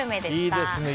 いいですね。